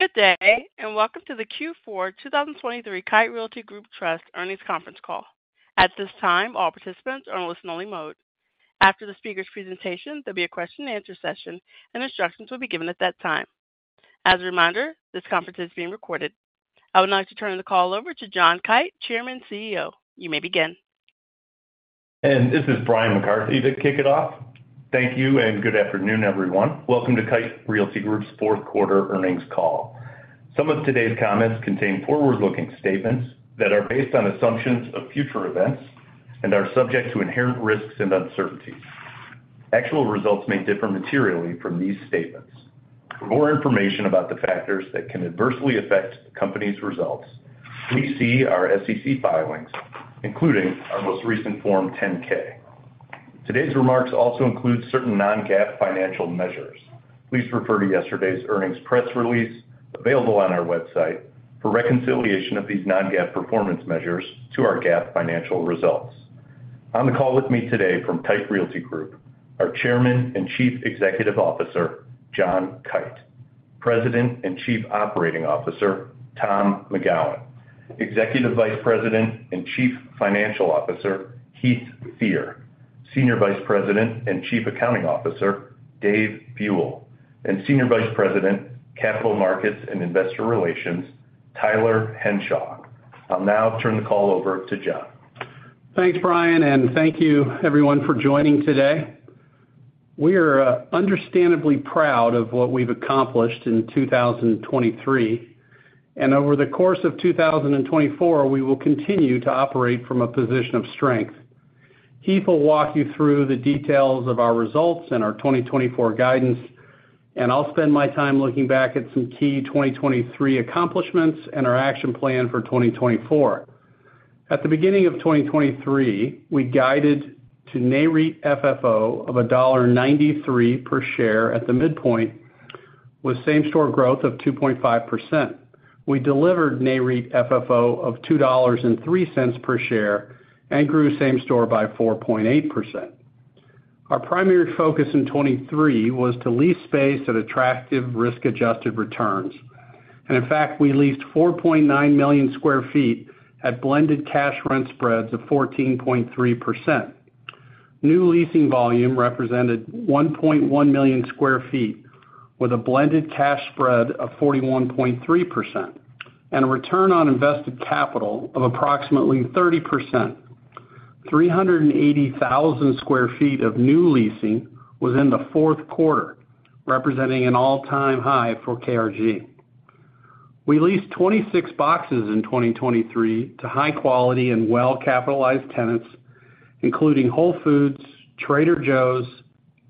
Good day and welcome to the Q4 2023 Kite Realty Group Trust Earnings Conference Call. At this time, all participants are in listen-only mode. After the speaker's presentation, there'll be a question-and-answer session, and instructions will be given at that time. As a reminder, this conference is being recorded. I would like to turn the call over to John Kite, Chairman and CEO. You may begin. This is Bryan McCarthy to kick it off. Thank you, and good afternoon, everyone. Welcome to Kite Realty Group's Q4 Earnings Call. Some of today's comments contain forward-looking statements that are based on assumptions of future events and are subject to inherent risks and uncertainties. Actual results may differ materially from these statements. For more information about the factors that can adversely affect the company's results, please see our SEC filings, including our most recent Form 10-K. Today's remarks also include certain non-GAAP financial measures. Please refer to yesterday's earnings press release available on our website for reconciliation of these non-GAAP performance measures to our GAAP financial results. On the call with me today from Kite Realty Group are Chairman and Chief Executive Officer John Kite, President and Chief Operating Officer Tom McGowan, Executive Vice President and Chief Financial Officer Heath Fear, Senior Vice President and Chief Accounting Officer Dave Buell, and Senior Vice President, Capital Markets and Investor Relations, Tyler Henshaw. I'll now turn the call over to John. Thanks, Bryan, and thank you, everyone, for joining today. We are understandably proud of what we've accomplished in 2023, and over the course of 2024, we will continue to operate from a position of strength. Heath will walk you through the details of our results and our 2024 guidance, and I'll spend my time looking back at some key 2023 accomplishments and our action plan for 2024. At the beginning of 2023, we guided to NAREIT FFO of $1.93 per share at the midpoint, with same-store growth of 2.5%. We delivered NAREIT FFO of $2.03 per share and grew same-store by 4.8%. Our primary focus in 2023 was to lease space at attractive risk-adjusted returns, and in fact, we leased 4.9 million sq ft at blended cash rent spreads of 14.3%. New leasing volume represented 1.1 million sq ft with a blended cash spread of 41.3% and a return on invested capital of approximately 30%. 380,000 sq ft of new leasing was in the fourth quarter, representing an all-time high for KRG. We leased 26 boxes in 2023 to high-quality and well-capitalized tenants, including Whole Foods, Trader Joe's,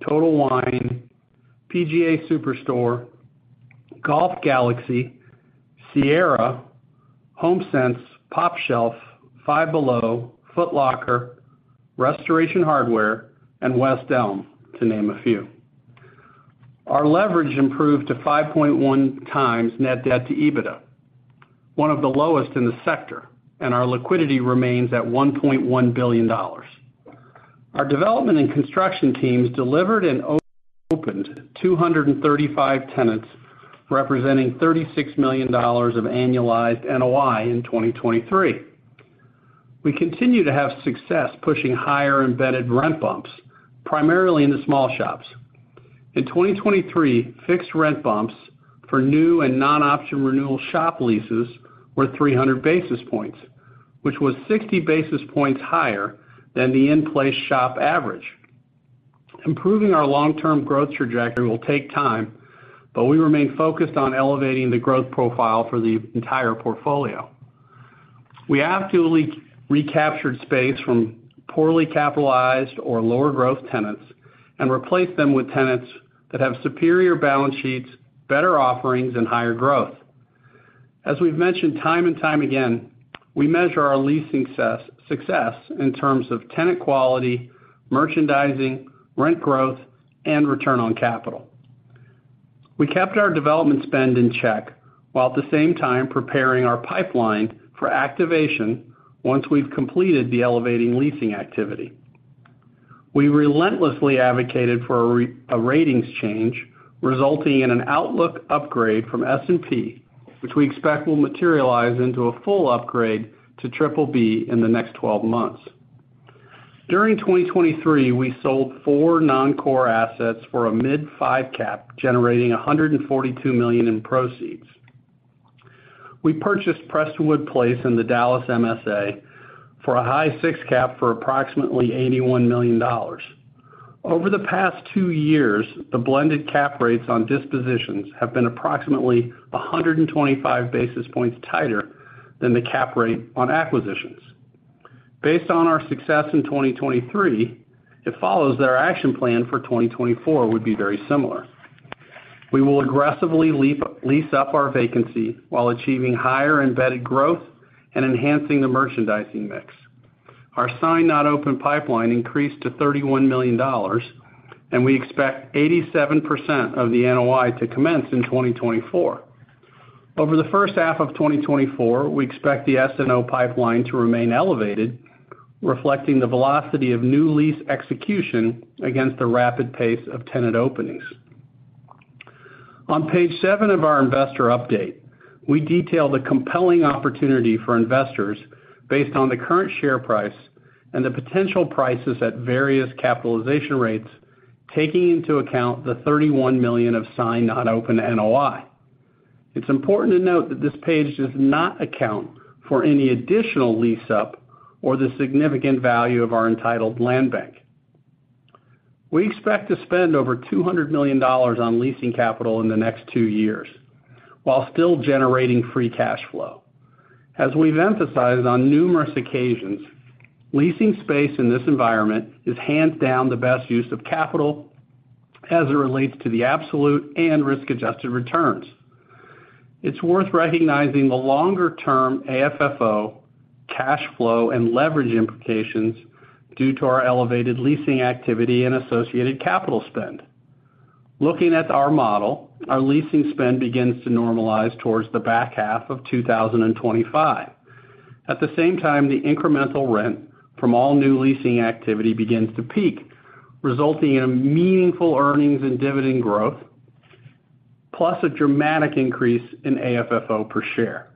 Total Wine, PGA Superstore, Golf Galaxy, Sierra, HomeSense, pOpshelf, Five Below, Foot Locker, Restoration Hardware, and West Elm, to name a few. Our leverage improved to 5.1x net debt to EBITDA, one of the lowest in the sector, and our liquidity remains at $1.1 billion. Our development and construction teams delivered and opened 235 tenants, representing $36 million of annualized NOI in 2023. We continue to have success pushing higher embedded rent bumps, primarily in the small shops. In 2023, fixed rent bumps for new and non-option renewal shop leases were 300 basis points, which was 60 basis points higher than the in-place shop average. Improving our long-term growth trajectory will take time, but we remain focused on elevating the growth profile for the entire portfolio. We actively recaptured space from poorly capitalized or lower-growth tenants and replaced them with tenants that have superior balance sheets, better offerings, and higher growth. As we've mentioned time and time again, we measure our leasing success in terms of tenant quality, merchandising, rent growth, and return on capital. We kept our development spend in check while at the same time preparing our pipeline for activation once we've completed the elevating leasing activity. We relentlessly advocated for a ratings change, resulting in an Outlook upgrade from S&P, which we expect will materialize into a full upgrade to BBB in the next 12 months. During 2023, we sold 4 non-core assets for a mid-5 cap, generating $142 million in proceeds. We purchased Prestonwood Place in the Dallas MSA for a high 6 cap for approximately $81 million. Over the past 2 years, the blended cap rates on dispositions have been approximately 125 basis points tighter than the cap rate on acquisitions. Based on our success in 2023, it follows that our action plan for 2024 would be very similar. We will aggressively lease up our vacancy while achieving higher embedded growth and enhancing the merchandising mix. Our signed-not-open pipeline increased to $31 million, and we expect 87% of the NOI to commence in 2024. Over the first half of 2024, we expect the SNO pipeline to remain elevated, reflecting the velocity of new lease execution against the rapid pace of tenant openings. On page seven of our investor update, we detail the compelling opportunity for investors based on the current share price and the potential prices at various capitalization rates, taking into account the $31 million of signed-not-open NOI. It's important to note that this page does not account for any additional lease-up or the significant value of our entitled land bank. We expect to spend over $200 million on leasing capital in the next two years while still generating free cash flow. As we've emphasized on numerous occasions, leasing space in this environment is hands-down the best use of capital as it relates to the absolute and risk-adjusted returns. It's worth recognizing the longer-term AFFO cash flow and leverage implications due to our elevated leasing activity and associated capital spend. Looking at our model, our leasing spend begins to normalize towards the back half of 2025. At the same time, the incremental rent from all new leasing activity begins to peak, resulting in meaningful earnings and dividend growth, plus a dramatic increase in AFFO per share.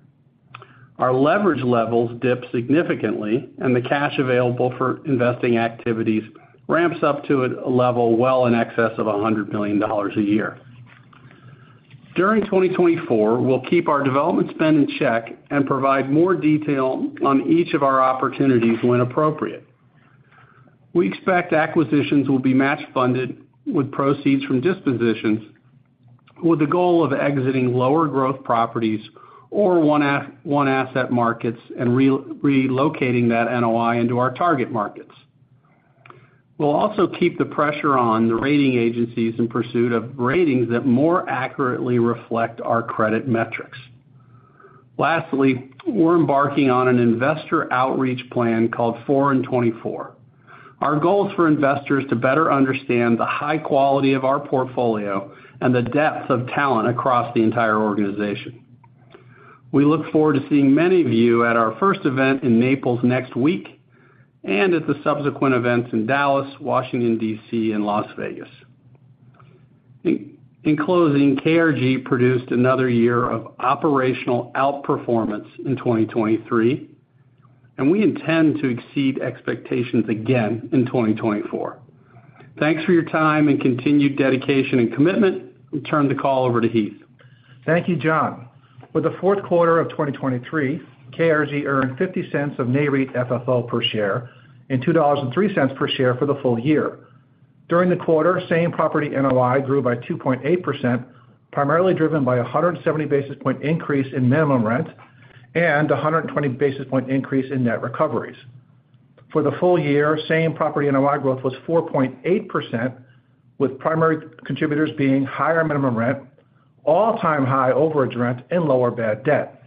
Our leverage levels dip significantly, and the cash available for investing activities ramps up to a level well in excess of $100 million a year. During 2024, we'll keep our development spend in check and provide more detail on each of our opportunities when appropriate. We expect acquisitions will be match-funded with proceeds from dispositions with the goal of exiting lower-growth properties or one-asset markets and relocating that NOI into our target markets. We'll also keep the pressure on the rating agencies in pursuit of ratings that more accurately reflect our credit metrics. Lastly, we're embarking on an investor outreach plan called Four in 24. Our goal is for investors to better understand the high quality of our portfolio and the depth of talent across the entire organization. We look forward to seeing many of you at our first event in Naples next week and at the subsequent events in Dallas, Washington, D.C., and Las Vegas. In closing, KRG produced another year of operational outperformance in 2023, and we intend to exceed expectations again in 2024. Thanks for your time and continued dedication and commitment. I'll turn the call over to Heath. Thank you, John. For the Q4 of 2023, KRG earned $0.50 of NAREIT FFO per share and $2.03 per share for the full year. During the quarter, Same-Property NOI grew by 2.8%, primarily driven by a 170-basis-point increase in minimum rent and a 120-basis-point increase in net recoveries. For the full year, Same-Property NOI growth was 4.8%, with primary contributors being higher minimum rent, all-time high overage rent, and lower Bad Debt.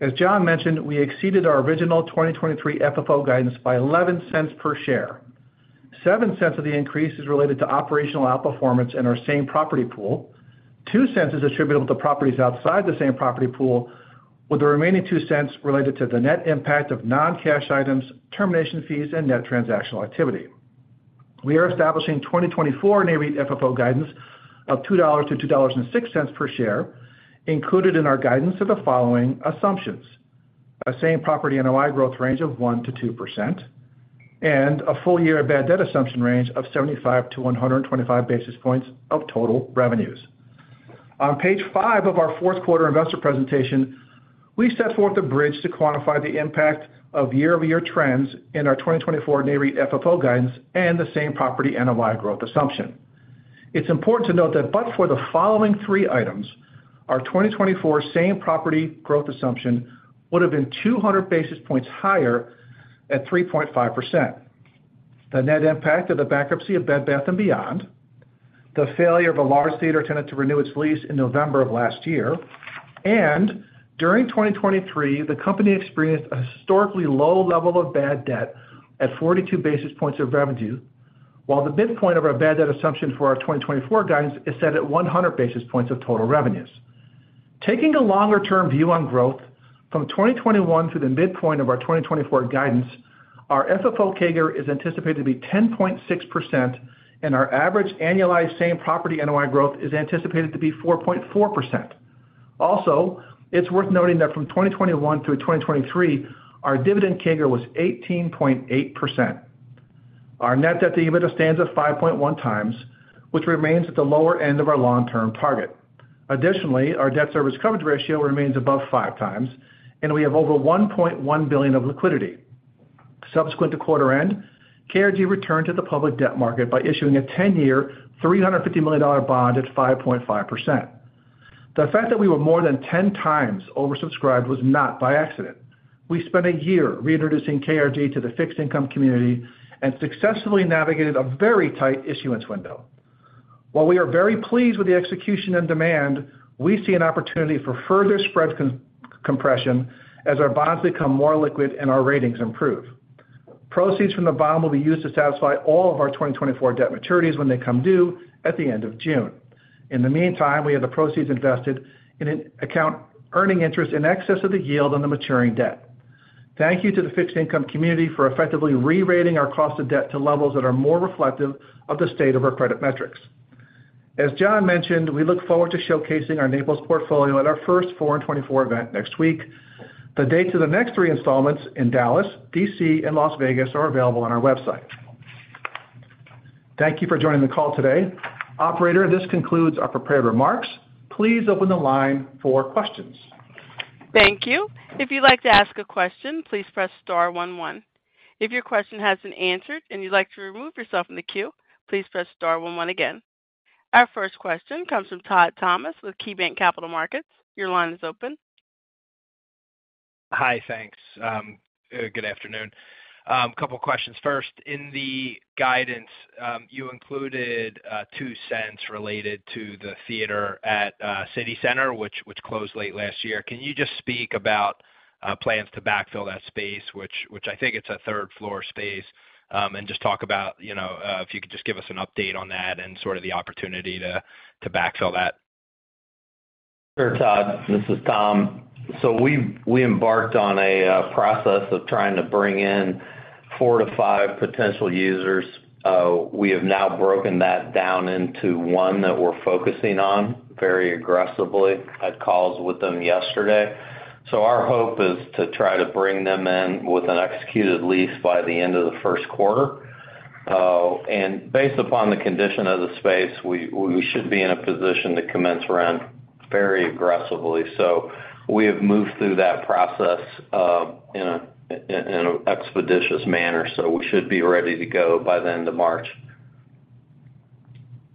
As John mentioned, we exceeded our original 2023 FFO guidance by $0.11 per share. $0.07 of the increase is related to operational outperformance in our same-property pool. $0.02 is attributable to properties outside the same-property pool, with the remaining $0.02 related to the net impact of non-cash items, termination fees, and net transactional activity. We are establishing 2024 NAREIT FFO guidance of $2-$2.06 per share, included in our guidance of the following assumptions: a same-property NOI growth range of 1%-2% and a full-year bad debt assumption range of 75-125 basis points of total revenues. On page five of our Q4 investor presentation, we set forth a bridge to quantify the impact of year-over-year trends in our 2024 NAREIT FFO guidance and the same-property NOI growth assumption. It's important to note that but for the following three items, our 2024 same-property growth assumption would have been 200 basis points higher at 3.5%: the net impact of the bankruptcy of Bed Bath & Beyond, the failure of a large theater tenant to renew its lease in November of last year, and during 2023, the company experienced a historically low level of bad debt at 42 basis points of revenue, while the midpoint of our bad debt assumption for our 2024 guidance is set at 100 basis points of total revenues. Taking a longer-term view on growth from 2021 through the midpoint of our 2024 guidance, our FFO CAGR is anticipated to be 10.6%, and our average annualized same-property NOI growth is anticipated to be 4.4%. Also, it's worth noting that from 2021 through 2023, our dividend CAGR was 18.8%. Our net debt to EBITDA stands at 5.1 times, which remains at the lower end of our long-term target. Additionally, our debt service coverage ratio remains above 5x, and we have over $1.1 billion of liquidity. Subsequent to quarter-end, KRG returned to the public debt market by issuing a 10-year $350 million bond at 5.5%. The fact that we were more than 10 times oversubscribed was not by accident. We spent a year reintroducing KRG to the fixed-income community and successfully navigated a very tight issuance window. While we are very pleased with the execution and demand, we see an opportunity for further spread compression as our bonds become more liquid and our ratings improve. Proceeds from the bond will be used to satisfy all of our 2024 debt maturities when they come due at the end of June. In the meantime, we have the proceeds invested in an account earning interest in excess of the yield on the maturing debt. Thank you to the fixed-income community for effectively re-rating our cost of debt to levels that are more reflective of the state of our credit metrics. As John mentioned, we look forward to showcasing our Naples portfolio at our first Four in 24 event next week. The dates of the next three installments in Dallas, D.C., and Las Vegas are available on our website. Thank you for joining the call today. Operator, this concludes our prepared remarks. Please open the line for questions. Thank you. If you'd like to ask a question, please press star 11. If your question hasn't answered and you'd like to remove yourself from the queue, please press star 11 again. Our first question comes from Todd Thomas with KeyBanc Capital Markets. Your line is open. Hi, thanks. Good afternoon. A couple of questions. First, in the guidance, you included $0.02 related to the theater at City Center, which closed late last year. Can you just speak about plans to backfill that space, which I think it's a third-floor space, and just talk about if you could just give us an update on that and sort of the opportunity to backfill that? Sure, Todd. This is Tom. We embarked on a process of trying to bring in 4-5 potential users. We have now broken that down into one that we're focusing on very aggressively. I had calls with them yesterday. Our hope is to try to bring them in with an executed lease by the end of the Q1. And based upon the condition of the space, we should be in a position to commence around very aggressively. We have moved through that process in an expeditious manner, so we should be ready to go by the end of March.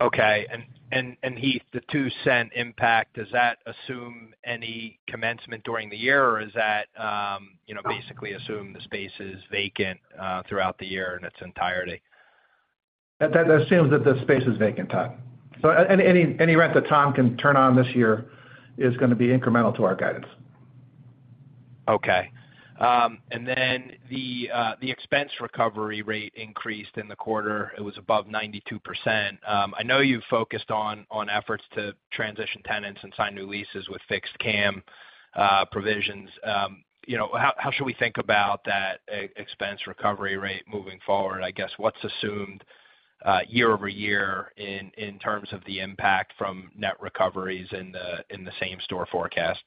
Okay. And Heath, the $0.02 impact, does that assume any commencement during the year, or does that basically assume the space is vacant throughout the year in its entirety? That assumes that the space is vacant, Todd. So any rent that Tom can turn on this year is going to be incremental to our guidance. Okay. The expense recovery rate increased in the quarter. It was above 92%. I know you've focused on efforts to transition tenants and sign new leases with fixed-CAM provisions. How should we think about that expense recovery rate moving forward? I guess what's assumed year-over-year in terms of the impact from net recoveries in the same-store forecast?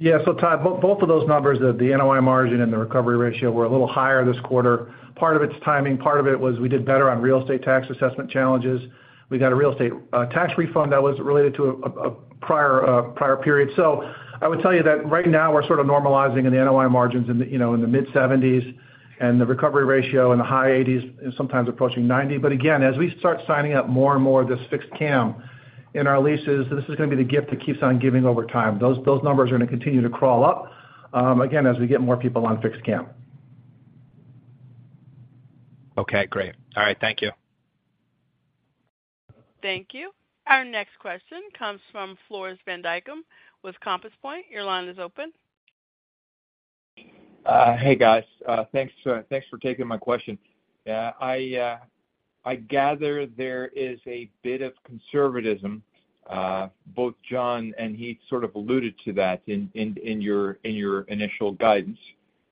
Yeah. So, Todd, both of those numbers, the NOI margin and the recovery ratio, were a little higher this quarter. Part of it's timing. Part of it was we did better on real estate tax assessment challenges. We got a real estate tax refund that was related to a prior period. So I would tell you that right now, we're sort of normalizing in the NOI margins in the mid-70s, and the recovery ratio in the high 80s, sometimes approaching 90. But again, as we start signing up more and more of this fixed CAM in our leases, this is going to be the gift that keeps on giving over time. Those numbers are going to continue to crawl up, again, as we get more people on fixed CAM. Okay. Great. All right. Thank you. Thank you. Our next question comes from Floris van Dijkum with Compass Point. Your line is open. Hey, guys. Thanks for taking my question. Yeah, I gather there is a bit of conservatism. Both John and Heath sort of alluded to that in your initial guidance,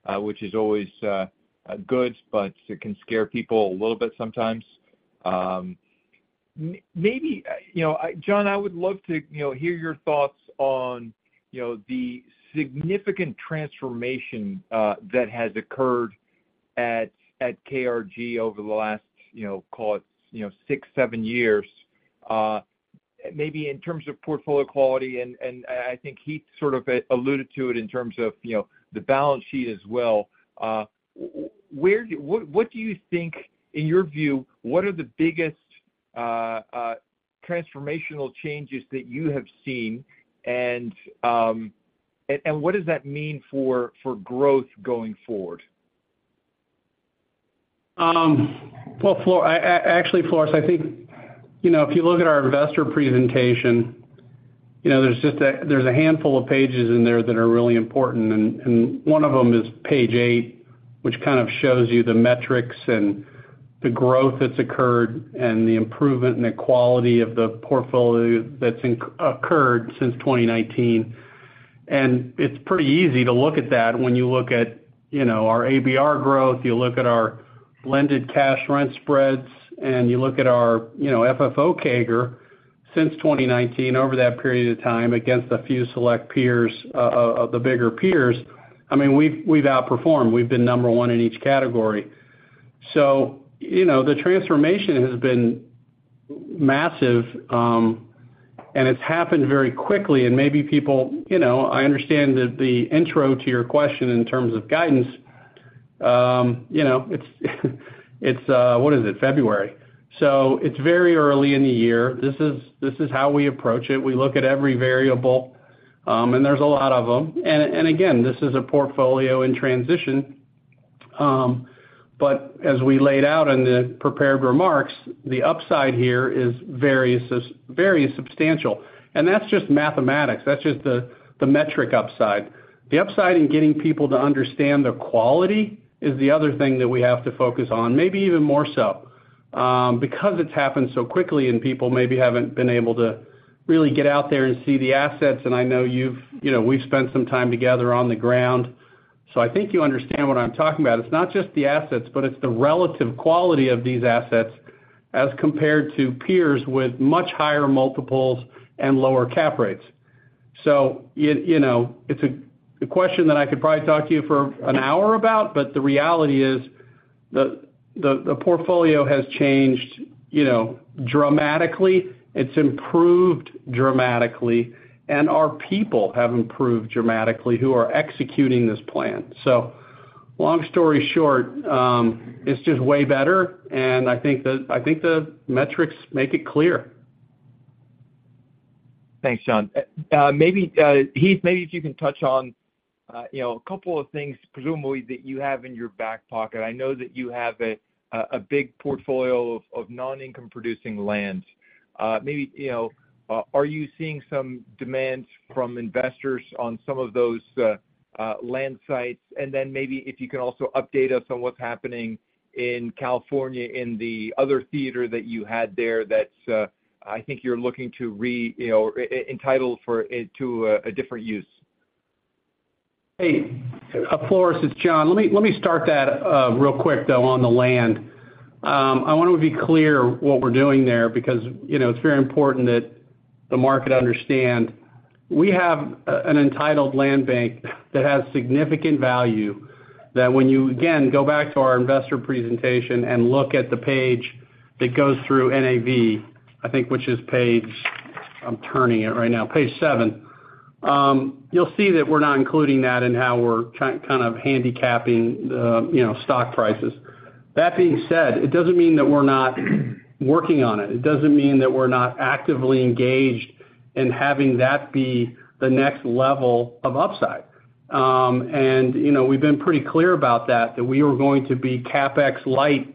which is always good, but it can scare people a little bit sometimes. Maybe, John, I would love to hear your thoughts on the significant transformation that has occurred at KRG over the last, call it, six, seven years, maybe in terms of portfolio quality. And I think Heath sort of alluded to it in terms of the balance sheet as well. What do you think, in your view, what are the biggest transformational changes that you have seen, and what does that mean for growth going forward? Well, actually, Floris, I think if you look at our investor presentation, there's a handful of pages in there that are really important. One of them is page 8, which kind of shows you the metrics and the growth that's occurred and the improvement and the quality of the portfolio that's occurred since 2019. And it's pretty easy to look at that when you look at our ABR growth, you look at our blended cash rent spreads, and you look at our FFO CAGR since 2019 over that period of time against a few select peers, the bigger peers. I mean, we've outperformed. We've been number one in each category. So the transformation has been massive, and it's happened very quickly. And maybe people I understand the intro to your question in terms of guidance. It's - what is it? - February. So it's very early in the year. This is how we approach it. We look at every variable, and there's a lot of them. And again, this is a portfolio in transition. But as we laid out in the prepared remarks, the upside here is very substantial. And that's just mathematics. That's just the metric upside. The upside in getting people to understand the quality is the other thing that we have to focus on, maybe even more so, because it's happened so quickly and people maybe haven't been able to really get out there and see the assets. And I know we've spent some time together on the ground, so I think you understand what I'm talking about. It's not just the assets, but it's the relative quality of these assets as compared to peers with much higher multiples and lower cap rates. So it's a question that I could probably talk to you for an hour about, but the reality is the portfolio has changed dramatically. It's improved dramatically, and our people have improved dramatically who are executing this plan. So long story short, it's just way better, and I think the metrics make it clear. Thanks, John. Heath, maybe if you can touch on a couple of things, presumably, that you have in your back pocket. I know that you have a big portfolio of non-income-producing lands. Maybe are you seeing some demands from investors on some of those land sites? And then maybe if you can also update us on what's happening in California in the other theater that you had there that I think you're looking to entitle to a different use. Hey. Floris, it's John. Let me start that real quick, though, on the land. I want to be clear what we're doing there because it's very important that the market understand. We have an entitled land bank that has significant value that when you, again, go back to our investor presentation and look at the page that goes through NAV, I think, which is page I'm turning it right now, page 7, you'll see that we're not including that in how we're kind of handicapping the stock prices. That being said, it doesn't mean that we're not working on it. It doesn't mean that we're not actively engaged in having that be the next level of upside. And we've been pretty clear about that, that we were going to be capex-light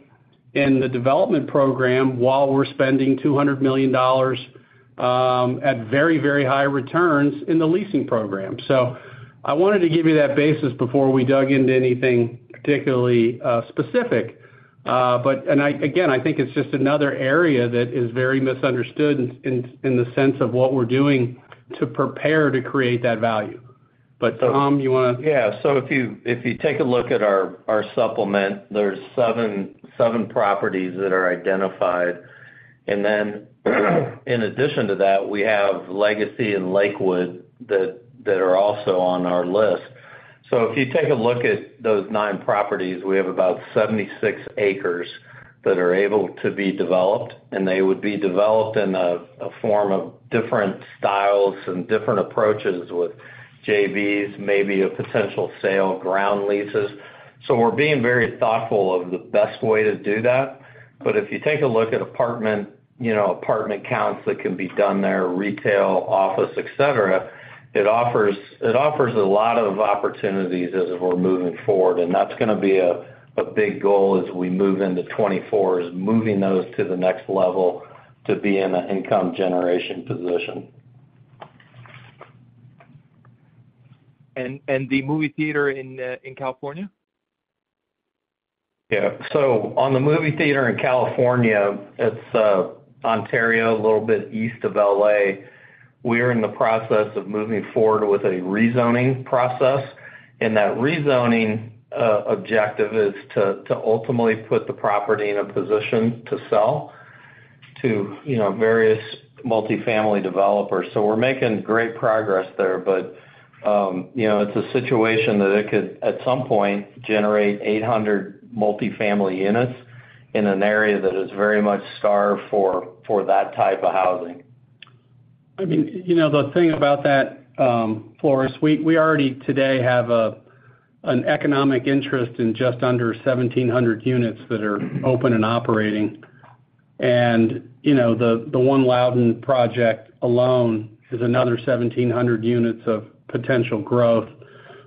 in the development program while we're spending $200 million at very, very high returns in the leasing program. So I wanted to give you that basis before we dug into anything particularly specific. And again, I think it's just another area that is very misunderstood in the sense of what we're doing to prepare to create that value. But Tom, you want to? Yeah. So if you take a look at our supplement, there's seven properties that are identified. And then in addition to that, we have Legacy and Lakewood that are also on our list. So if you take a look at those nine properties, we have about 76 acres that are able to be developed, and they would be developed in a form of different styles and different approaches with JVs, maybe a potential sale, ground leases. So we're being very thoughtful of the best way to do that. But if you take a look at apartment counts that can be done there, retail, office, etc., it offers a lot of opportunities as we're moving forward. And that's going to be a big goal as we move into 2024, is moving those to the next level to be in an income-generation position. The movie theater in California? Yeah. So on the movie theater in California, it's Ontario, a little bit east of L.A. We are in the process of moving forward with a rezoning process. And that rezoning objective is to ultimately put the property in a position to sell to various multifamily developers. So we're making great progress there, but it's a situation that it could, at some point, generate 800 multifamily units in an area that is very much starved for that type of housing. I mean, the thing about that, Floris, we already today have an economic interest in just under 1,700 units that are open and operating. And the One Loudoun project alone is another 1,700 units of potential growth.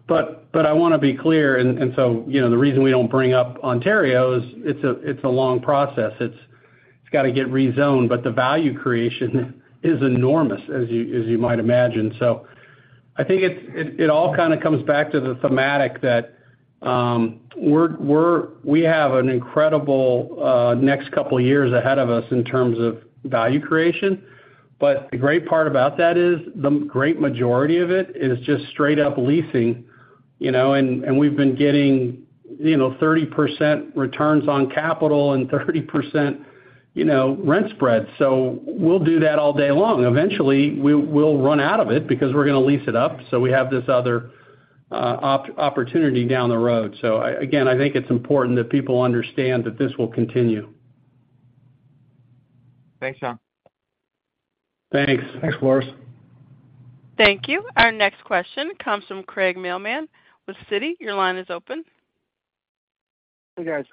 But I want to be clear. And so the reason we don't bring up Ontario is it's a long process. It's got to get rezoned, but the value creation is enormous, as you might imagine. So I think it all kind of comes back to the thematic that we have an incredible next couple of years ahead of us in terms of value creation. But the great part about that is the great majority of it is just straight-up leasing. And we've been getting 30% returns on capital and 30% rent spreads. So we'll do that all day long. Eventually, we'll run out of it because we're going to lease it up. We have this other opportunity down the road. Again, I think it's important that people understand that this will continue. Thanks, John. Thanks. Thanks, Floris. Thank you. Our next question comes from Craig Mailman with Citi. Your line is open. Hey, guys.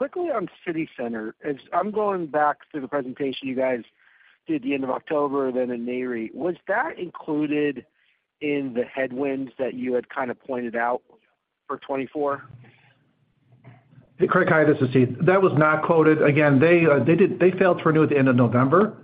Quickly on City Center. I'm going back through the presentation you guys did the end of October, then in Nareit. Was that included in the headwinds that you had kind of pointed out for 2024? Hey, Craig. Hi. This is Heath. That was not quoted. Again, they failed to renew at the end of November,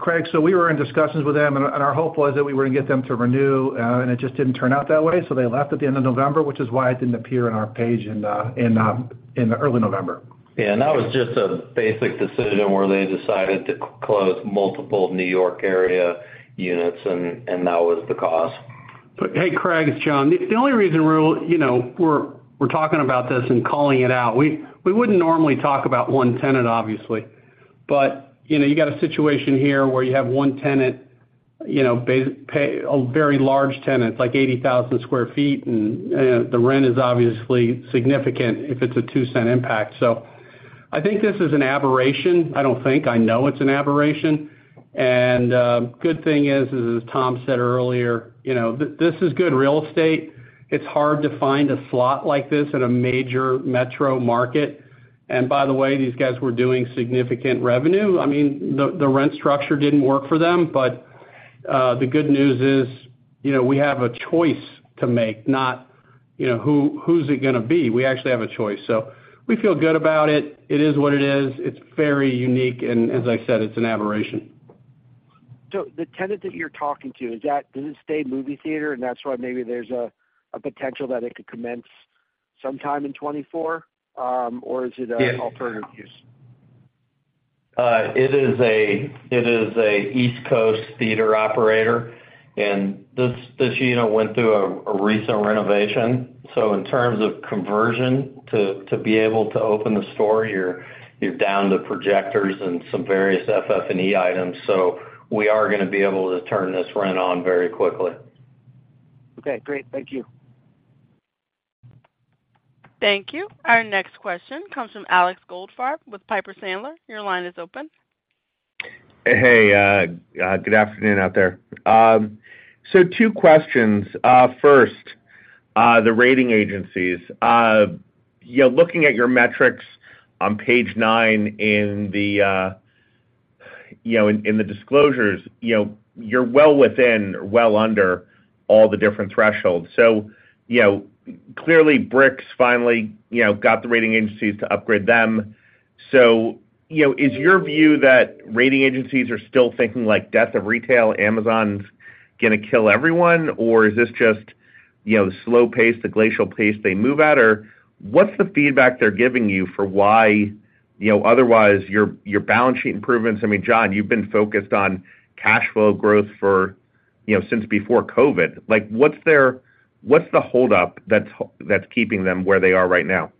Craig. So we were in discussions with them, and our hope was that we were going to get them to renew, and it just didn't turn out that way. So they left at the end of November, which is why it didn't appear on our page in early November. Yeah. And that was just a basic decision where they decided to close multiple New York area units, and that was the cause. Hey, Craig. It's John. The only reason we're talking about this and calling it out, we wouldn't normally talk about one tenant, obviously. But you got a situation here where you have one tenant, a very large tenant, it's like 80,000 sq ft, and the rent is obviously significant if it's a $0.02 impact. So I think this is an aberration. I don't think. I know it's an aberration. And the good thing is, as Tom said earlier, this is good real estate. It's hard to find a slot like this in a major metro market. And by the way, these guys were doing significant revenue. I mean, the rent structure didn't work for them, but the good news is we have a choice to make, not who's it going to be. We actually have a choice. So we feel good about it. It is what it is. It's very unique. As I said, it's an aberration. So the tenant that you're talking to, does it stay movie theater, and that's why maybe there's a potential that it could commence sometime in 2024, or is it an alternative use? It is an East Coast theater operator, and this unit went through a recent renovation. So in terms of conversion, to be able to open the store, you're down to projectors and some various FF&E items. So we are going to be able to turn this rent on very quickly. Okay. Great. Thank you. Thank you. Our next question comes from Alex Goldfarb with Piper Sandler. Your line is open. Hey. Good afternoon out there. So two questions. First, the rating agencies. Looking at your metrics on page 9 in the disclosures, you're well within or well under all the different thresholds. So clearly, KRG finally got the rating agencies to upgrade them. So is your view that rating agencies are still thinking like death of retail, Amazon's going to kill everyone, or is this just the slow pace, the glacial pace they move at? Or what's the feedback they're giving you for why otherwise your balance sheet improvements? I mean, John, you've been focused on cash flow growth since before COVID. What's the holdup that's keeping them where they are right now?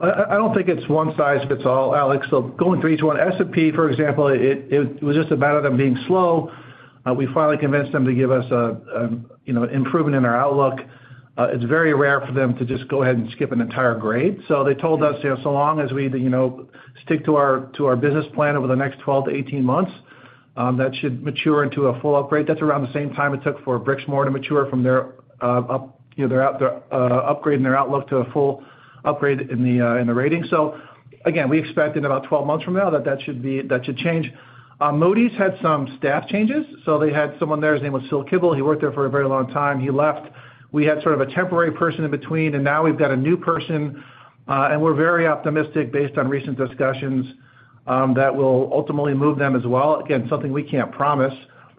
I don't think it's one size fits all, Alex. So going through each one. S&P, for example, it was just a matter of them being slow. We finally convinced them to give us an improvement in our outlook. It's very rare for them to just go ahead and skip an entire grade. So they told us so long as we stick to our business plan over the next 12-18 months, that should mature into a full upgrade. That's around the same time it took for Brixmor to mature from their upgrade in their outlook to a full upgrade in the rating. So again, we expect in about 12 months from now that that should change. Moody's had some staff changes. So they had someone there. His name was Phil Kibel. He worked there for a very long time. He left. We had sort of a temporary person in between, and now we've got a new person. We're very optimistic based on recent discussions that will ultimately move them as well. Again, something we can't promise.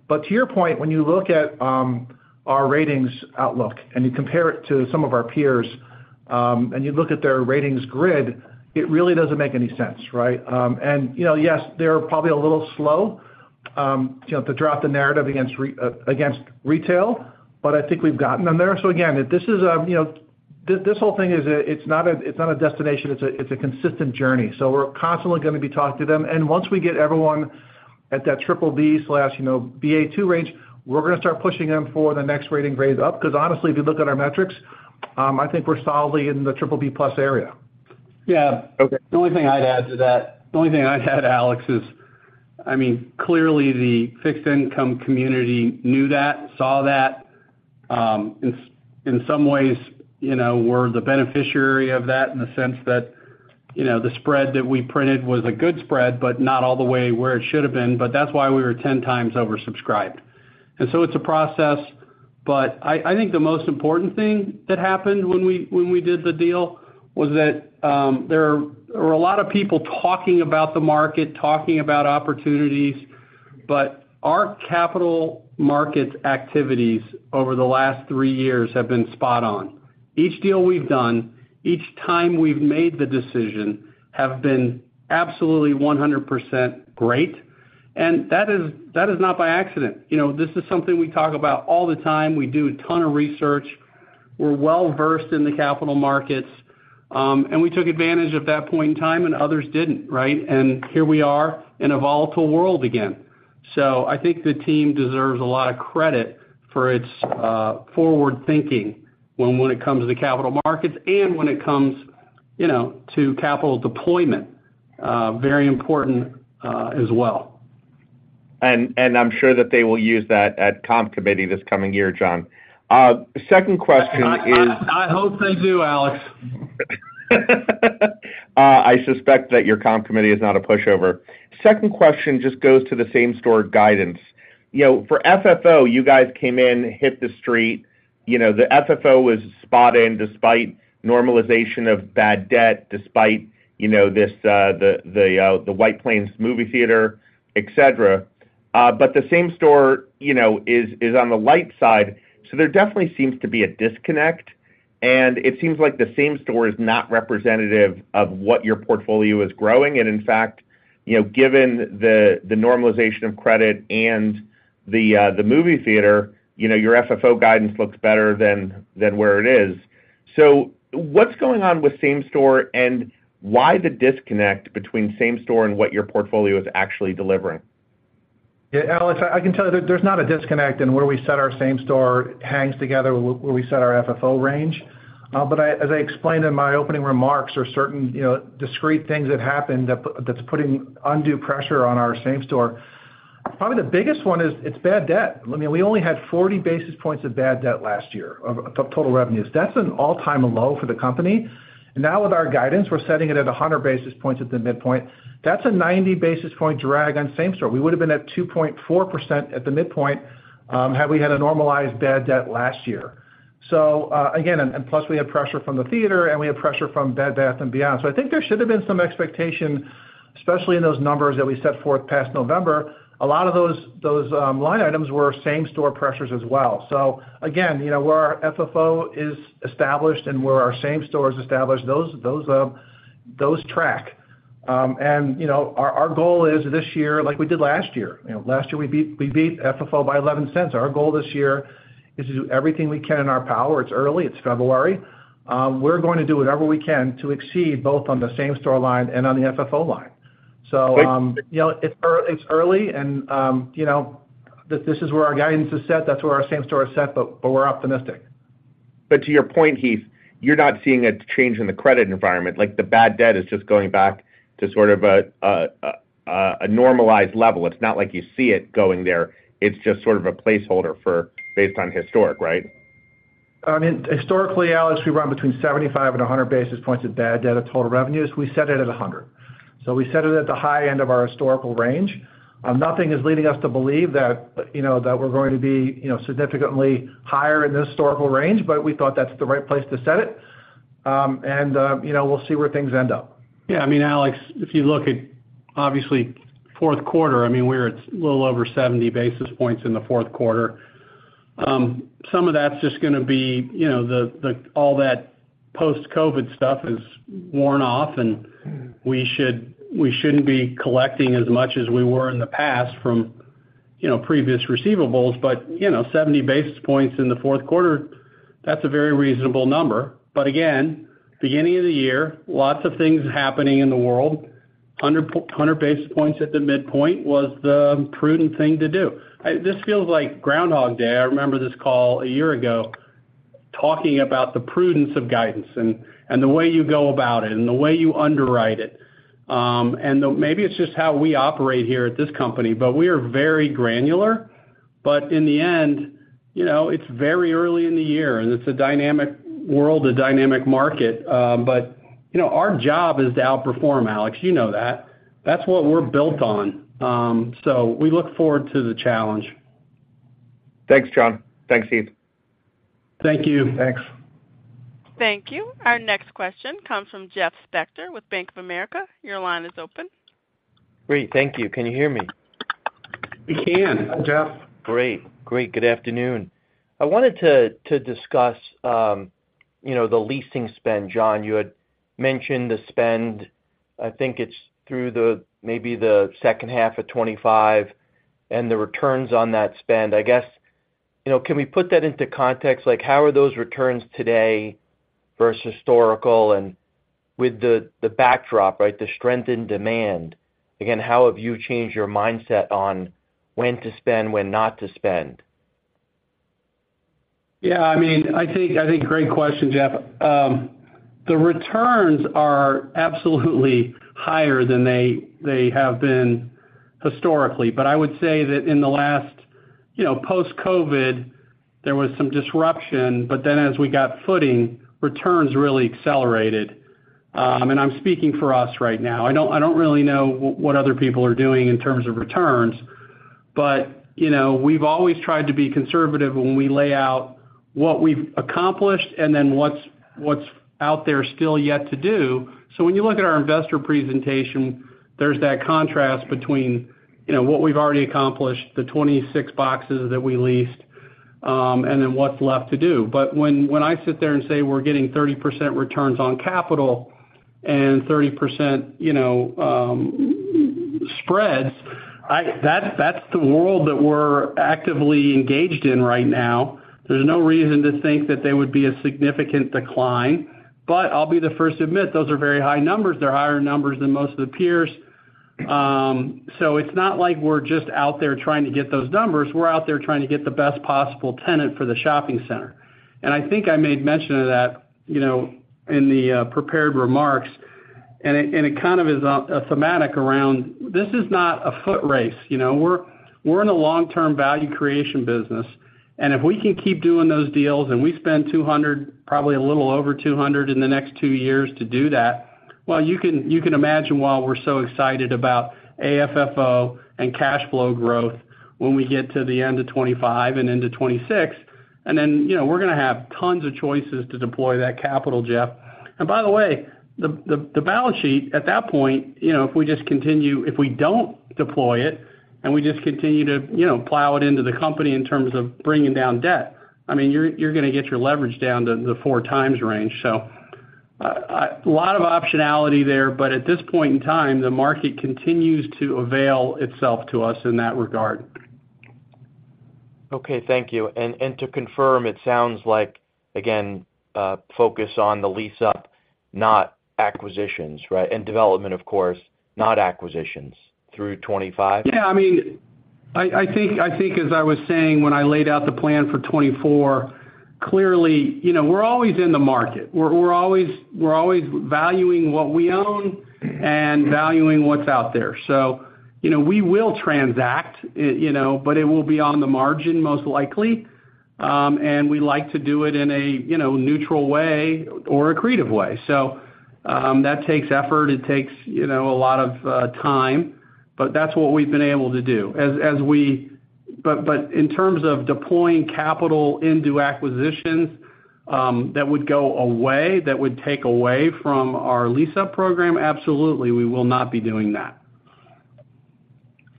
To your point, when you look at our ratings outlook and you compare it to some of our peers, and you look at their ratings grid, it really doesn't make any sense, right? Yes, they're probably a little slow to draft a narrative against retail, but I think we've gotten them there. Again, this whole thing is it's not a destination. It's a consistent journey. We're constantly going to be talking to them. Once we get everyone at that BBB/Baa2 range, we're going to start pushing them for the next rating grade up because honestly, if you look at our metrics, I think we're solidly in the BBB+ area. Yeah. The only thing I'd add, Alex, is I mean, clearly, the fixed-income community knew that, saw that. In some ways, we're the beneficiary of that in the sense that the spread that we printed was a good spread but not all the way where it should have been. But that's why we were 10 times oversubscribed. And so it's a process. But I think the most important thing that happened when we did the deal was that there were a lot of people talking about the market, talking about opportunities, but our capital market activities over the last three years have been spot-on. Each deal we've done, each time we've made the decision, have been absolutely 100% great. And that is not by accident. This is something we talk about all the time. We do a ton of research. We're well-versed in the capital markets. We took advantage of that point in time, and others didn't, right? Here we are in a volatile world again. I think the team deserves a lot of credit for its forward-thinking when it comes to capital markets and when it comes to capital deployment, very important as well. I'm sure that they will use that at comp committee this coming year, John. Second question is. I hope they do, Alex. I suspect that your comp committee is not a pushover. Second question just goes to the same-store guidance. For FFO, you guys came in, hit the street. The FFO was spot-in despite normalization of bad debt, despite the White Plains movie theater, etc. But the same store is on the light side. So there definitely seems to be a disconnect. And it seems like the same store is not representative of what your portfolio is growing. And in fact, given the normalization of credit and the movie theater, your FFO guidance looks better than where it is. So what's going on with same-store and why the disconnect between same-store and what your portfolio is actually delivering? Yeah, Alex, I can tell you there's not a disconnect. And where we set our same-store hangs together with where we set our FFO range. But as I explained in my opening remarks, there are certain discrete things that happen that's putting undue pressure on our same-store. Probably the biggest one is it's bad debt. I mean, we only had 40 basis points of bad debt last year of total revenues. That's an all-time low for the company. And now with our guidance, we're setting it at 100 basis points at the midpoint. That's a 90 basis point drag on same-store. We would have been at 2.4% at the midpoint had we had a normalized bad debt last year. So again, and plus, we had pressure from the theater, and we had pressure from Bed Bath & Beyond. So I think there should have been some expectation, especially in those numbers that we set forth past November. A lot of those line items were same-store pressures as well. So again, where our FFO is established and where our same-store is established, those track. And our goal is this year, like we did last year. Last year, we beat FFO by $0.11. Our goal this year is to do everything we can in our power. It's early. It's February. We're going to do whatever we can to exceed both on the same-store line and on the FFO line. So it's early, and this is where our guidance is set. That's where our same-store is set, but we're optimistic. But to your point, Heath, you're not seeing a change in the credit environment. The bad debt is just going back to sort of a normalized level. It's not like you see it going there. It's just sort of a placeholder based on historic, right? I mean, historically, Alex, we run between 75-100 basis points of bad debt of total revenues. We set it at 100. So we set it at the high end of our historical range. Nothing is leading us to believe that we're going to be significantly higher in this historical range, but we thought that's the right place to set it. We'll see where things end up. Yeah. I mean, Alex, if you look at obviously, Q4, I mean, we're at a little over 70 basis points in the fourth quarter. Some of that's just going to be all that post-COVID stuff is worn off, and we shouldn't be collecting as much as we were in the past from previous receivables. But 70 basis points in the fourth quarter, that's a very reasonable number. But again, beginning of the year, lots of things happening in the world. 100 basis points at the midpoint was the prudent thing to do. This feels like Groundhog Day. I remember this call a year ago talking about the prudence of guidance and the way you go about it and the way you underwrite it. And maybe it's just how we operate here at this company, but we are very granular. In the end, it's very early in the year, and it's a dynamic world, a dynamic market. Our job is to outperform, Alex. You know that. That's what we're built on. We look forward to the challenge. Thanks, John. Thanks, Heath. Thank you. Thanks. Thank you. Our next question comes from Jeff Spector with Bank of America. Your line is open. Great. Thank you. Can you hear me? We can. Hi, Jeff. Great. Great. Good afternoon. I wanted to discuss the leasing spend, John. You had mentioned the spend. I think it's through maybe the second half of 2025 and the returns on that spend. I guess, can we put that into context? How are those returns today versus historical? And with the backdrop, right, the strengthened demand, again, how have you changed your mindset on when to spend, when not to spend? Yeah. I mean, I think great question, Jeff. The returns are absolutely higher than they have been historically. But I would say that in the last post-COVID, there was some disruption, but then as we got footing, returns really accelerated. And I'm speaking for us right now. I don't really know what other people are doing in terms of returns, but we've always tried to be conservative when we lay out what we've accomplished and then what's out there still yet to do. So when you look at our investor presentation, there's that contrast between what we've already accomplished, the 26 boxes that we leased, and then what's left to do. But when I sit there and say we're getting 30% returns on capital and 30% spreads, that's the world that we're actively engaged in right now. There's no reason to think that there would be a significant decline. But I'll be the first to admit, those are very high numbers. They're higher numbers than most of the peers. So it's not like we're just out there trying to get those numbers. We're out there trying to get the best possible tenant for the shopping center. And I think I made mention of that in the prepared remarks. And it kind of is a thematic around this is not a footrace. We're in a long-term value creation business. And if we can keep doing those deals and we spend $200, probably a little over $200 in the next two years to do that, well, you can imagine why we're so excited about AFFO and cash flow growth when we get to the end of 2025 and into 2026. And then we're going to have tons of choices to deploy that capital, Jeff. And by the way, the balance sheet at that point, if we don't deploy it and we just continue to plow it into the company in terms of bringing down debt, I mean, you're going to get your leverage down to the 4x range. So a lot of optionality there. But at this point in time, the market continues to avail itself to us in that regard. Okay. Thank you. And to confirm, it sounds like, again, focus on the lease-up, not acquisitions, right? And development, of course, not acquisitions through 2025? Yeah. I mean, I think as I was saying when I laid out the plan for 2024, clearly, we're always in the market. We're always valuing what we own and valuing what's out there. So we will transact, but it will be on the margin most likely. And we like to do it in a neutral way or a creative way. So that takes effort. It takes a lot of time, but that's what we've been able to do. But in terms of deploying capital into acquisitions that would go away, that would take away from our lease-up program, absolutely, we will not be doing that.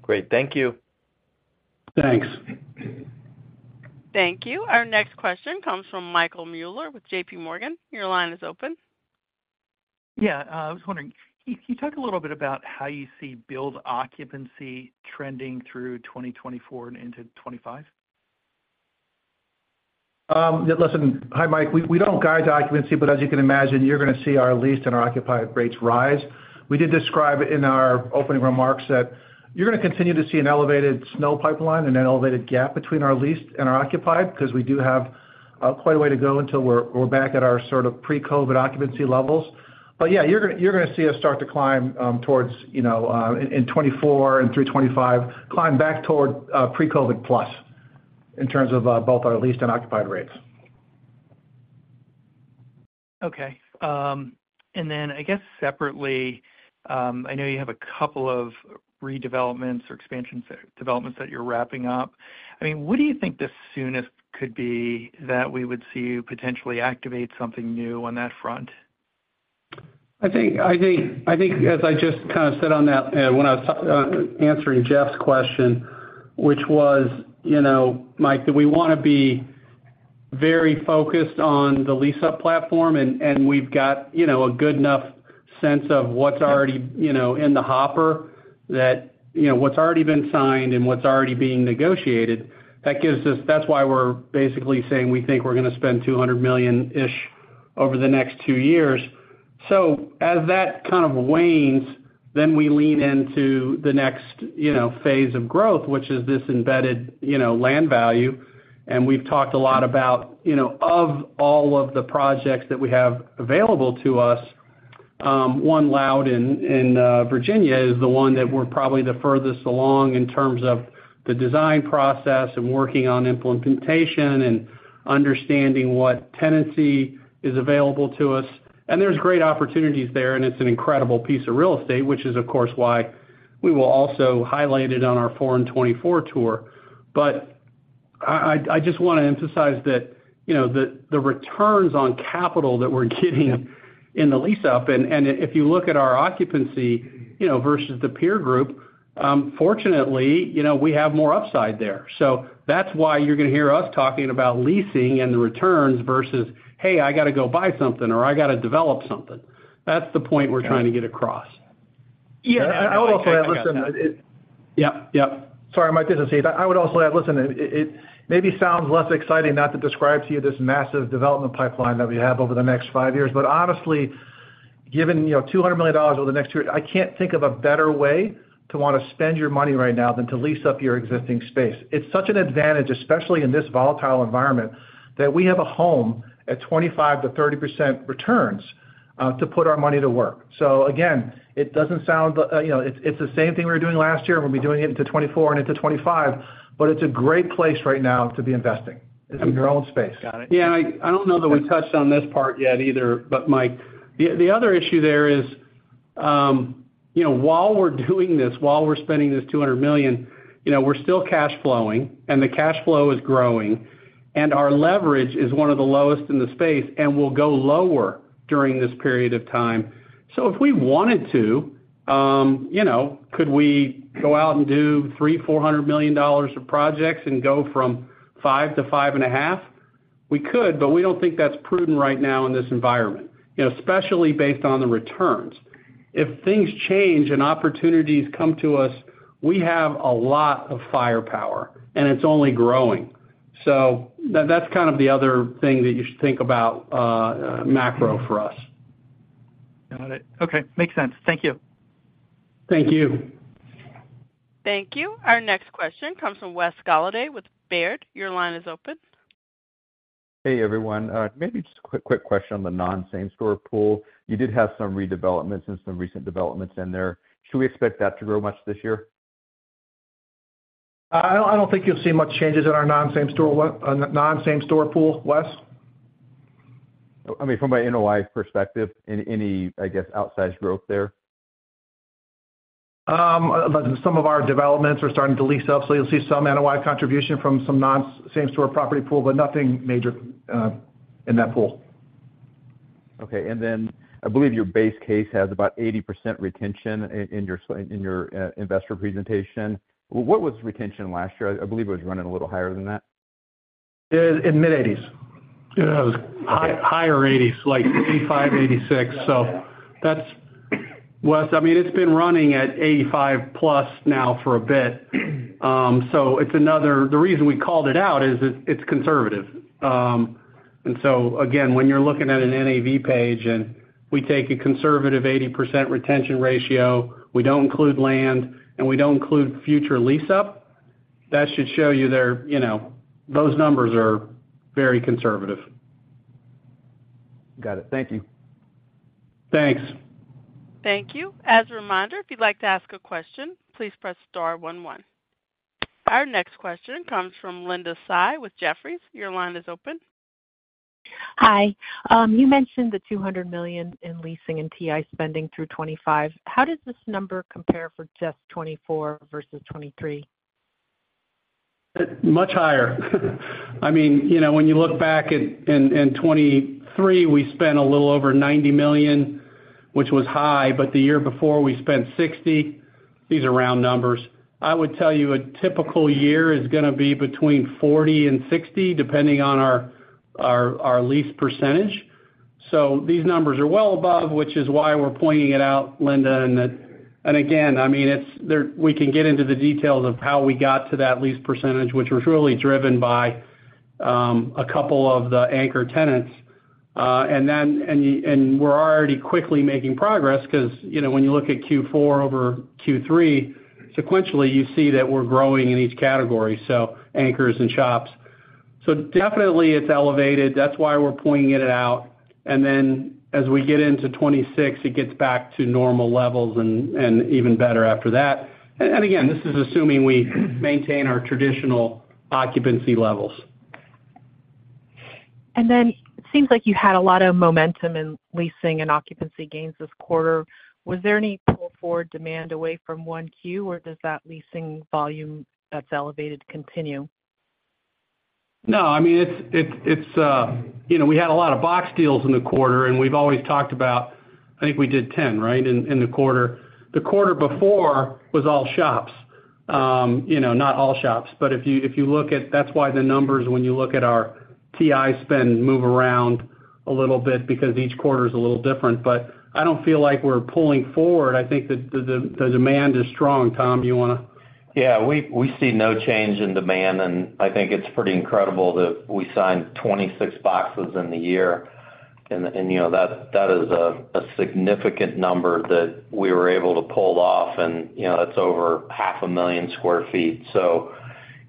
Great. Thank you. Thanks. Thank you. Our next question comes from Michael Mueller with JPMorgan. Your line is open. Yeah. I was wondering, can you talk a little bit about how you see build occupancy trending through 2024 and into 2025? Listen, hi, Mike. We don't guide occupancy, but as you can imagine, you're going to see our leased and our occupied rates rise. We did describe in our opening remarks that you're going to continue to see an elevated SNO pipeline and an elevated gap between our leased and our occupied because we do have quite a way to go until we're back at our sort of pre-COVID occupancy levels. But yeah, you're going to see us start to climb towards in 2024 and through 2025, climb back toward pre-COVID+ in terms of both our leased and occupied rates. Okay. And then I guess separately, I know you have a couple of redevelopments or expansion developments that you're wrapping up. I mean, what do you think the soonest could be that we would see you potentially activate something new on that front? I think as I just kind of said on that when I was answering Jeff's question, which was, Mike, that we want to be very focused on the lease-up platform, and we've got a good enough sense of what's already in the hopper, that what's already been signed and what's already being negotiated, that's why we're basically saying we think we're going to spend $200 million-ish over the next two years. So as that kind of wanes, then we lean into the next phase of growth, which is this embedded land value. And we've talked a lot about all of the projects that we have available to us, One Loudoun in Virginia is the one that we're probably the furthest along in terms of the design process and working on implementation and understanding what tenancy is available to us. And there's great opportunities there, and it's an incredible piece of real estate, which is, of course, why we will also highlight it on our Four in 24 tour. But I just want to emphasize that the returns on capital that we're getting in the lease-up, and if you look at our occupancy versus the peer group, fortunately, we have more upside there. So that's why you're going to hear us talking about leasing and the returns versus, "Hey, I got to go buy something," or, "I got to develop something." That's the point we're trying to get across. Yeah. I would also add listen. Yep. Yep. Sorry, Mike. This is Heath. I would also add, listen, it maybe sounds less exciting not to describe to you this massive development pipeline that we have over the next five years. But honestly, given $200 million over the next two years, I can't think of a better way to want to spend your money right now than to lease up your existing space. It's such an advantage, especially in this volatile environment, that we have a home at 25%-30% returns to put our money to work. So again, it doesn't sound it's the same thing we were doing last year, and we'll be doing it into 2024 and into 2025, but it's a great place right now to be investing in your own space. Got it. Yeah. I don't know that we touched on this part yet either, but Mike, the other issue there is while we're doing this, while we're spending this $200 million, we're still cash flowing, and the cash flow is growing. Our leverage is one of the lowest in the space, and we'll go lower during this period of time. So if we wanted to, could we go out and do $300-$400 million of projects and go from 5-5.5? We could, but we don't think that's prudent right now in this environment, especially based on the returns. If things change and opportunities come to us, we have a lot of firepower, and it's only growing. So that's kind of the other thing that you should think about macro for us. Got it. Okay. Makes sense. Thank you. Thank you. Thank you. Our next question comes from Wes Golladay with Baird. Your line is open. Hey, everyone. Maybe just a quick question on the non-same-store pool. You did have some redevelopments and some recent developments in there. Should we expect that to grow much this year? I don't think you'll see much changes in our non-same-store pool, Wes. I mean, from an NOI perspective, any, I guess, outsized growth there? Listen, some of our developments are starting to lease up, so you'll see some NOI contribution from some non-same-store property pool, but nothing major in that pool. Okay. And then I believe your base case has about 80% retention in your investor presentation. What was retention last year? I believe it was running a little higher than that. In mid-80s. Higher 80s, like 85, 86. So Wes, I mean, it's been running at 85+ now for a bit. So the reason we called it out is it's conservative. And so again, when you're looking at an NAV page, and we take a conservative 80% retention ratio, we don't include land, and we don't include future lease-up, that should show you those numbers are very conservative. Got it. Thank you. Thanks. Thank you. As a reminder, if you'd like to ask a question, please press star 11. Our next question comes from Linda Tsai with Jefferies. Your line is open. Hi. You mentioned the $200 million in leasing and TI spending through 2025. How does this number compare for just 2024 versus 2023? Much higher. I mean, when you look back in 2023, we spent a little over $90 million, which was high, but the year before, we spent $60 million. These are round numbers. I would tell you a typical year is going to be between $40 million and $60 million, depending on our lease percentage. So these numbers are well above, which is why we're pointing it out, Linda. And again, I mean, we can get into the details of how we got to that lease percentage, which was really driven by a couple of the anchor tenants. And we're already quickly making progress because when you look at Q4 over Q3, sequentially, you see that we're growing in each category, so anchors and shops. So definitely, it's elevated. That's why we're pointing it out. And then as we get into 2026, it gets back to normal levels and even better after that. And again, this is assuming we maintain our traditional occupancy levels. Then it seems like you had a lot of momentum in leasing and occupancy gains this quarter. Was there any pull forward demand away from 1Q, or does that leasing volume that's elevated continue? No. I mean, we had a lot of box deals in the quarter, and we've always talked about I think we did 10, right, in the quarter. The quarter before was all shops, not all shops. But if you look at that, that's why the numbers, when you look at our TI spend, move around a little bit because each quarter is a little different. But I don't feel like we're pulling forward. I think the demand is strong. Tom, do you want to? Yeah. We see no change in demand. I think it's pretty incredible that we signed 26 boxes in the year. That is a significant number that we were able to pull off, and that's over 500,000 sq ft.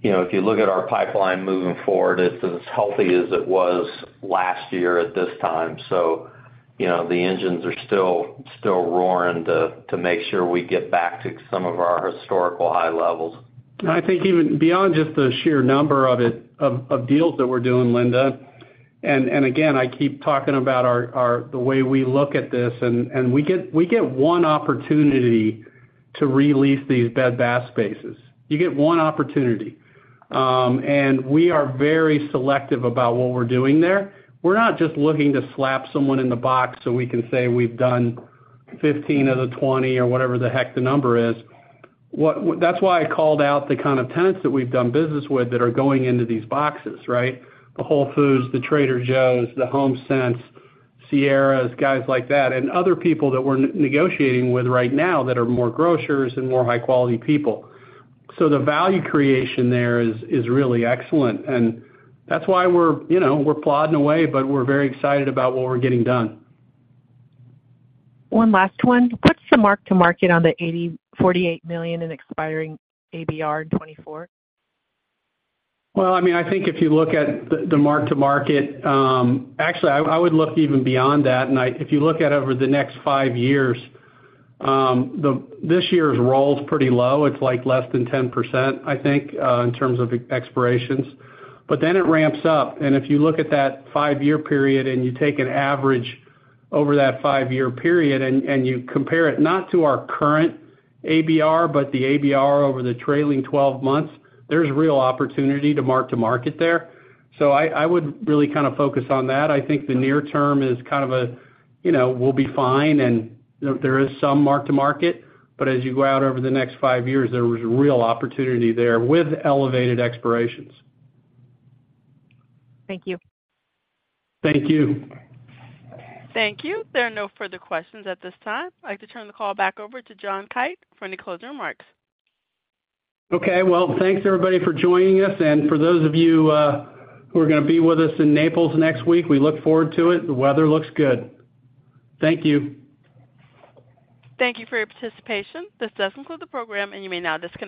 If you look at our pipeline moving forward, it's as healthy as it was last year at this time. The engines are still roaring to make sure we get back to some of our historical high levels. I think even beyond just the sheer number of deals that we're doing, Linda, and again, I keep talking about the way we look at this, and we get one opportunity to release these Bed Bath & Beyond spaces. You get one opportunity. And we are very selective about what we're doing there. We're not just looking to slap someone in the box so we can say we've done 15 out of 20 or whatever the heck the number is. That's why I called out the kind of tenants that we've done business with that are going into these boxes, right? The Whole Foods, the Trader Joe's, the HomeSense, Sierra, guys like that, and other people that we're negotiating with right now that are more grocers and more high-quality people. So the value creation there is really excellent. And that's why we're plodding away, but we're very excited about what we're getting done. One last one. What's the Mark-to-Market on the $80.48 million in expiring ABR in 2024? Well, I mean, I think if you look at the mark-to-market actually, I would look even beyond that. And if you look at over the next five years, this year's roll's pretty low. It's like less than 10%, I think, in terms of expirations. But then it ramps up. And if you look at that five-year period and you take an average over that five-year period and you compare it not to our current ABR, but the ABR over the trailing 12 months, there's real opportunity to mark-to-market there. So I would really kind of focus on that. I think the near term is kind of a we'll be fine, and there is some mark-to-market. But as you go out over the next five years, there was real opportunity there with elevated expirations. Thank you. Thank you. Thank you. There are no further questions at this time. I'd like to turn the call back over to John Kite for any closing remarks. Okay. Well, thanks, everybody, for joining us. For those of you who are going to be with us in Naples next week, we look forward to it. The weather looks good. Thank you. Thank you for your participation. This does conclude the program, and you may now disconnect.